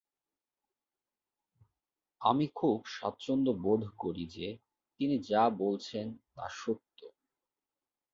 আমি খুব স্বাচ্ছন্দ্যবোধ করি যে তিনি যা বলছেন তা সত্য।